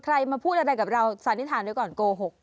มาพูดอะไรกับเราสันนิษฐานไว้ก่อนโกหก